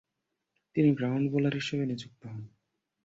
তিনি ground bowler হিসেবে নিযুক্ত হন।